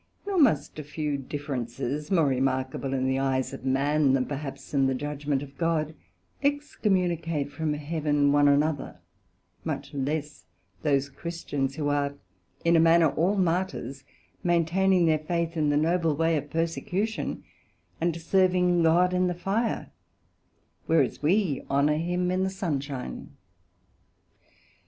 Nor must a few differences, more remarkable in the eyes of man than perhaps in the judgement of God, excommunicate from Heaven one another, much less those Christians who are in a manner all Martyrs, maintaining their Faith, in the noble way of persecution, and serving God in the Fire, whereas we honour him in the Sunshine.